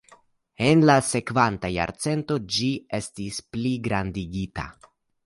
En la sekvanta jarcento ĝi estis pligrandigita.